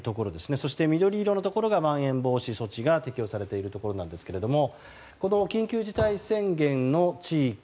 そして緑色のところがまん延防止措置が適用されているところですが緊急事態宣言の地域